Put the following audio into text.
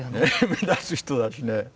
目立つ人だしね